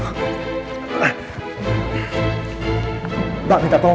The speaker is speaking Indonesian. kita kami ada orang